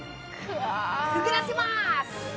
くぐらせまーす！